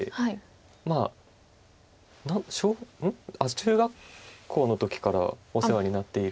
中学校の時からお世話になっている。